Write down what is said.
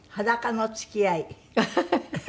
ハハハハ。